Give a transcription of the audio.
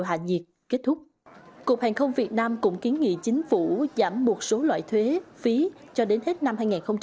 hàng không việt nam cũng kiến nghị chính phủ giảm một số loại thuế phí cho đến hết năm hai nghìn hai mươi bốn